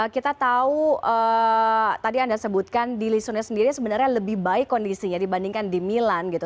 kita tahu tadi anda sebutkan di lisonel sendiri sebenarnya lebih baik kondisinya dibandingkan di milan gitu